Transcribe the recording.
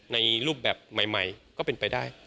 ในรูปแบบใหม่ก็เป็นไปได้